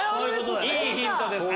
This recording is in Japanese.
いいヒントですね。